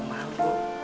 kamu tuh gak perlu malu